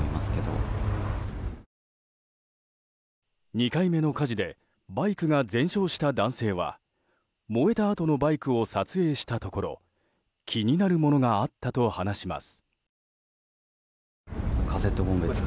２回目の火事でバイクが全焼した男性は燃えたあとのバイクを撮影したところ気になるものがあったと話します。